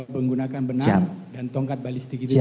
menggunakan benang dan tongkat balistik itu tadi ya